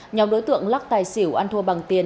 nhóm đối tượng lắc tài xỉu ăn thua bằng tiền